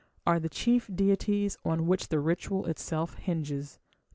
are the chief deities on which the ritual itself hinges".